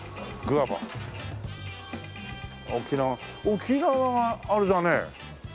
沖縄があれだねえ。